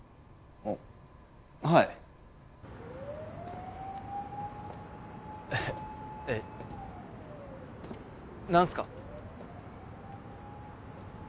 あっはいえっえ何すか？